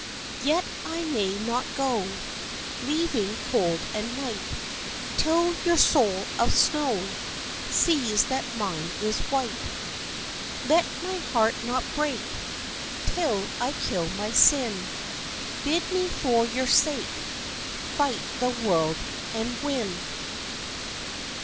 Yet I may not go, Leaving cold and night, Till your soul of snow Sees that mine is white. Let my heart not break Till I kill my sin; Bid me for your sake Fight the world and win!